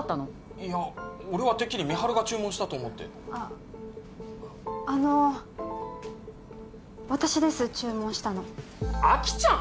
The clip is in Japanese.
いや俺はてっきり美晴が注文したと思ってあの私です注文したのあきちゃん！？